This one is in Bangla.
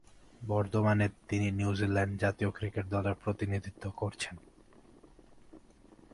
বর্তমানে তিনি নিউজিল্যান্ড জাতীয় ক্রিকেট দলের প্রতিনিধিত্ব করছেন।